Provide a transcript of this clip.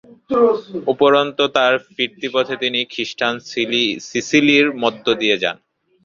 উপরন্তু তার ফিরতি পথে তিনি খ্রিষ্টান সিসিলির মধ্য দিয়ে যান।